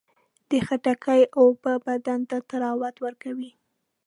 د خټکي اوبه بدن ته طراوت ورکوي.